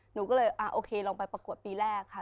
หนูก็เลยโอเคลองไปประกวดปีแรกค่ะ